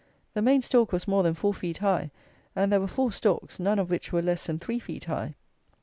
The main stalk was more than four feet high, and there were four stalks, none of which were less than three feet high.